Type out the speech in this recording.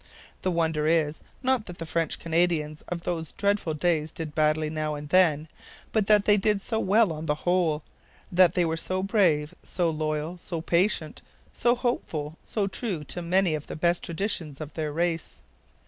The wonder is, not that the French Canadians of those dreadful days did badly now and then, but that they did so well on the whole; that they were so brave, so loyal, so patient, so hopeful, so true to many of the best traditions of their race.